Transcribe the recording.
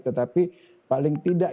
tetapi paling tidak